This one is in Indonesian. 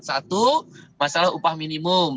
satu masalah upah minimum